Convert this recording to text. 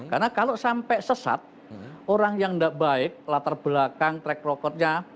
karena kalau sampai sesat orang yang enggak baik latar belakang track recordnya